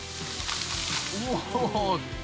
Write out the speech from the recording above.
お。